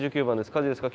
火事ですか？